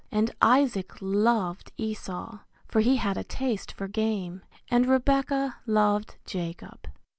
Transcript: And Isaac loved Esau for he had a taste for game and Rebekah loved Jacob.